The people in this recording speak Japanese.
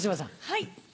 はい。